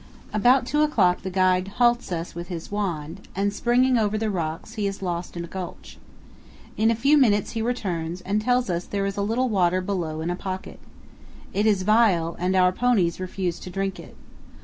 About two o'clock the guide halts us with his wand, and, springing over the rocks, he is lost in a gulch. In a few minutes he returns, and tells us there is a little water below in a pocket. It is vile and our ponies refuse to drink it.